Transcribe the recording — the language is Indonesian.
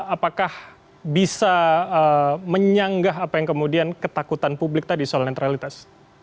apakah bisa menyanggah apa yang kemudian ketakutan publik tadi soal netralitas